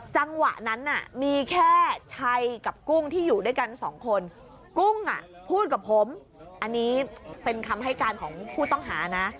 จังหวะนั้นน่ะมีแค่ชัยกับกุ้งที่อยู่ด้วยกันสองคนกุ้งอ่ะพูดกับผมอันนี้เป็นคำให้การของผู้ต้องหานะ